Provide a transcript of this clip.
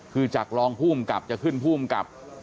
คือจากรองภูมิกับจะขึ้นภูมิกับ